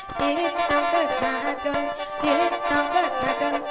ชีวิตต้องเกิดมาจนชีวิตต้องเกิดมาจน